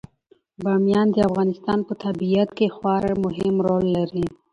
بامیان د افغانستان په طبیعت کې یو خورا مهم رول لري.